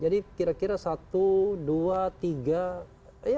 jadi kira kira satu dua tiga tiga